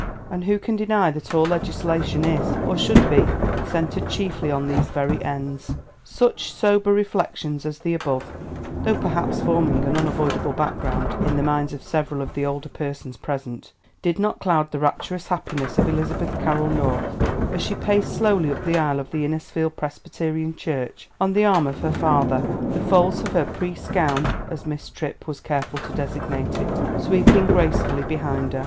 And who can deny that all legislation is, or should be, centred chiefly on these very ends. [Illustration: "Never had there been such a wedding in Innisfield"] Such sober reflections as the above, though perhaps forming an unavoidable background in the minds of several of the older persons present, did not cloud the rapturous happiness of Elizabeth Carroll North, as she paced slowly up the aisle of the Innisfield Presbyterian church on the arm of her father, the folds of her "Pryse gown," as Miss Tripp was careful to designate it, sweeping gracefully behind her.